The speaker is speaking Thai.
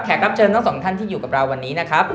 รับเชิญทั้งสองท่านที่อยู่กับเราวันนี้นะครับ